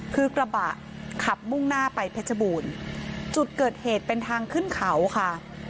คือกระบะขับมุ่งหน้าไปเพชรบูรณ์จุดเกิดเหตุเป็นทางขึ้นเขาค่ะ